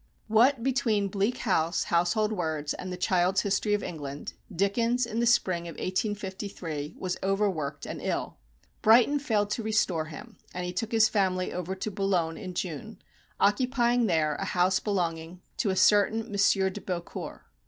What between "Bleak House," Household Words, and "The Child's History of England," Dickens, in the spring of 1853, was overworked and ill. Brighton failed to restore him; and he took his family over to Boulogne in June, occupying there a house belonging to a certain M. de Beaucourt.